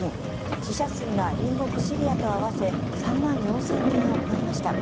死者数が隣国シリアと合わせ３万４０００人を超えました。